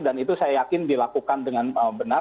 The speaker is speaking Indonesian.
dan itu saya yakin dilakukan dengan benar